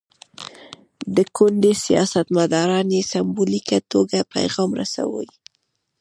د کونډې سیاستمداران یې سمبولیکه توګه پیغام رسوي.